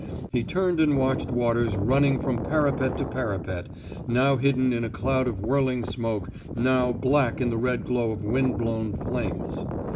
He turned and watched Waters running from parapet to parapet, now hidden in a cloud of whirling smoke, now black in the red glow of wind blown flames.